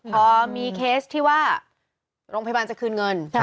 พอมีเคสที่ว่าโรงพยาบาลจะคืนเงิน